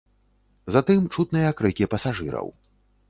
Затым чутныя крыкі пасажыраў.